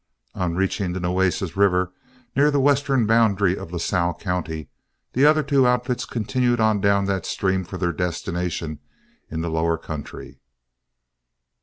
On reaching the Nueces River, near the western boundary of Lasalle County, the other two outfits continued on down that stream for their destination in the lower country.